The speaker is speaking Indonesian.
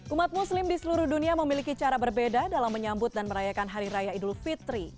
umat muslim di seluruh dunia memiliki cara berbeda dalam menyambut dan merayakan hari raya idul fitri